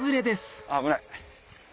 危ない。